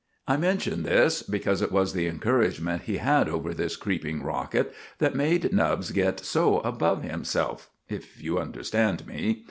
I mention this because it was the encouragement he had over this creeping rocket that made Nubbs get so above himself, if you understand me.